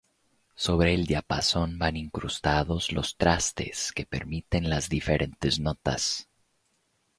Sobre el diapasón van incrustados los trastes, que permiten las diferentes notas.